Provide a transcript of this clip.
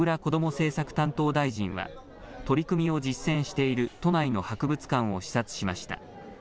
政策担当大臣は取り組みを実践している都内の博物館を視察しました。